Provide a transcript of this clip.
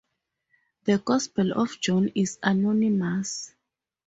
The Gospel of John is anonymous.